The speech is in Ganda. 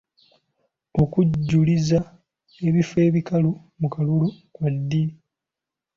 Okujjuliriza ebifo ebikalu mu kalulu kwa ddi?